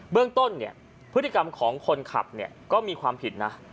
เรื่องต้นเนี่ยพฤติกรรมของคนขับก็มีความผิดนะ